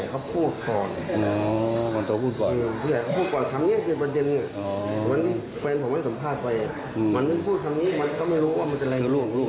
ข้อหาคมขู่ผู้อื่นให้เกิดขึ้น